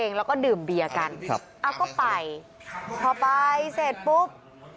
แล้วก็ดื่มเบียร์กันครับเอาก็ไปพอไปเสร็จปุ๊บ